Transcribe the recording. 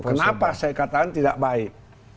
kenapa saya katakan tidak baik